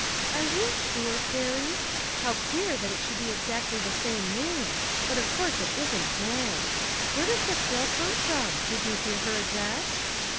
" Are you sure, Car rie? How queer that it should be exactly the same name ! but of course it isn't Mag. Where does this girl come from? Did you hear her address?"